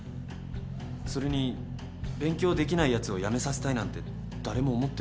それに勉強できないやつを辞めさせたいなんて誰も思ってないよ。